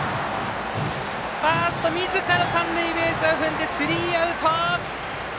ファーストみずから三塁ベースを踏んでスリーアウト！